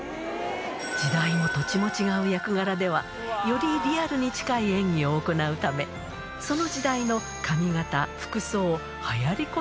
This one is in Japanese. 時代も土地も違う役柄では、よりリアルに近い演技を行うため、その時代の髪形、服装、はやり